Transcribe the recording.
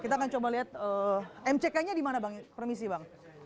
kita akan coba lihat mck nya di mana bang permisi bang